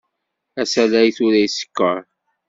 Asalay tura isekkeṛ.